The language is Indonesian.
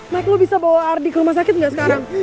miclo bisa bawa ardi ke rumah sakit nggak sekarang